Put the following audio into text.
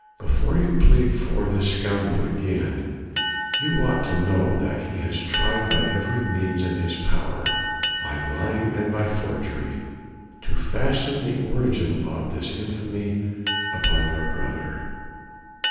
Before you plead for this scoundrel again, you ought to know that he has tried by every means in his power by lying and by forgery to fasten the origin of all this infamy upon your brother."